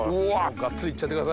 がっつりいっちゃってください。